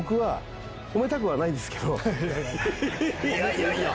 いやいや。